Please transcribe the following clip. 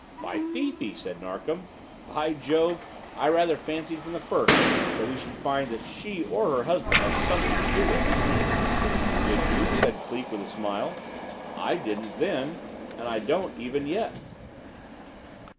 "By Fifi!" said Narkom. "By Jove! I rather fancied from the first that we should find that she or her husband had something to do with it." "Did you?" said Cleek with a smile. "I didn't, then; and I don't even yet!"